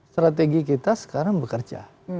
strategi kita sekarang bekerja